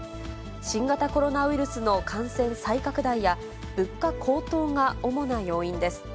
新型コロナウイルスの感染再拡大や、物価高騰が主な要因です。